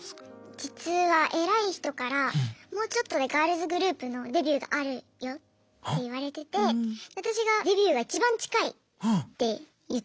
実はえらい人からもうちょっとでガールズグループのデビューがあるよって言われてて私がデビューがいちばん近いって言ってくださってて。